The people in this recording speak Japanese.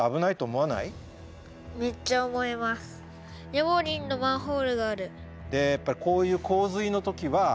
ヤモリンのマンホールがある。